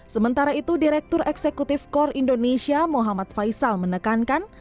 sementara itu direktur eksekutif korps indonesia mohamad faisal menekankan